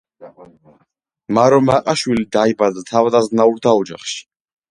მარო მაყაშვილი დაიბადა თავადაზნაურთა ოჯახში.